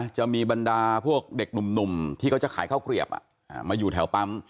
จะมีบรรดาพวกเด็กหนุ่มที่เขาจะขายข้าวเกลียบมาอยู่แถวปั๊ม